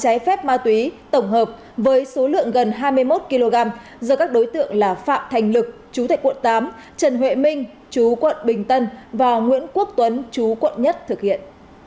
trái phép ma túy tổng hợp với số lượng gần hai mươi một kg do các đối tượng là phạm thành lực chú tại quận tám trần huệ minh chú quận bình tân và nguyễn quốc tuấn chú quận một thực hiện